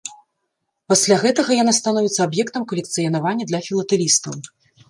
Пасля гэтага яна становіцца аб'ектам калекцыянавання для філатэлістаў.